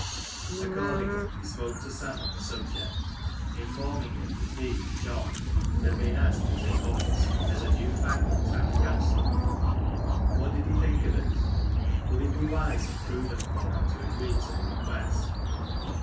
Accordingly, he spoke to Sam on the subject, informing him that he (John) had been asked to take office as a new fangled Town Councillor. What did he think of it? would it be wise and prudent for him to agree to the requiest?